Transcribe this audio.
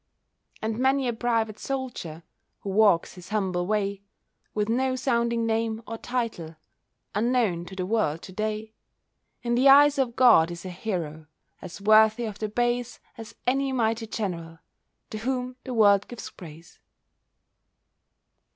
And many a private soldier, Who walks his humble way, With no sounding name or title, Unknown to the world to day, In the eyes of God is a hero As worthy of the bays As any mighty General To whom the world gives praise.